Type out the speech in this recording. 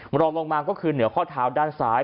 รองลงมาก็คือเหนือข้อเท้าด้านซ้าย